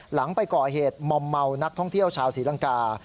หลังไปก่อเหตุมอมเมานักท่องเที่ยวชาวศรีลังกา